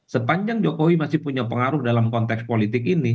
sepanjang jokowi masih punya pengaruh dalam konteks politik ini